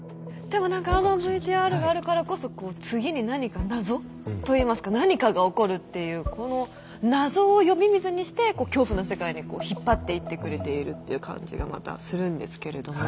でも何かあのＶＴＲがあるからこそ次に何か謎といいますか何かが起こるっていうこの謎を呼び水にしてこう恐怖の世界に引っ張っていってくれているって感じがまたするんですけれども。